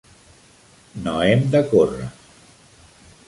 No hem de córrer.